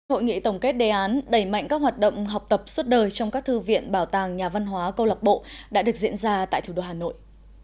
hội nghị tổng kết đề án đẩy mạnh các hoạt động học tập suốt đời trong các thư viện bảo tàng nhà văn hóa câu lạc bộ đã được diễn ra tại thủ đô hà nội